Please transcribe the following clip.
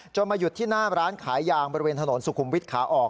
มาหยุดที่หน้าร้านขายยางบริเวณถนนสุขุมวิทย์ขาออก